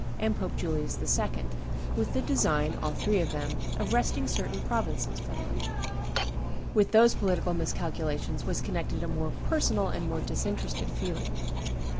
and Pope Julius II., with the design, all three of them, of wresting certain provinces from them. With those political miscalculations was connected a more personal and more disinterested feeling.